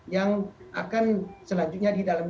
yang akan selanjutnya di dalam